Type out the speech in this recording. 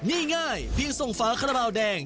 มีง่ายเพียงทรงฝาขนาดราวแดง